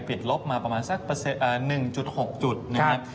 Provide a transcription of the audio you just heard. เปลี่ยนลบมาประมาณสัก๑๖จุดนะครับ